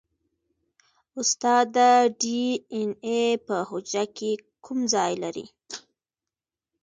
استاده ډي این اې په حجره کې کوم ځای لري